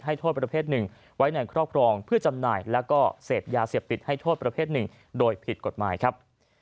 โทษประเภทหนึ่งไว้ในครอบครองเพื่อจำหน่ายแล้วก็เสพยาเสพติดให้โทษประเภทหนึ่งโดยผิดกฎหมายครับ